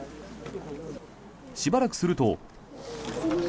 しばらくすると。